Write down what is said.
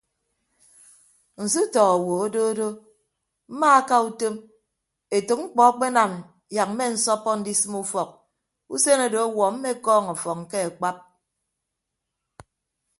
Nsutọ owo adodo mmaaka utom etәk mkpọ akpe anam yak mmensọppọ ndisịm ufọk usen odo ọwuọ mmekọọñ ọfọñ ke akpap.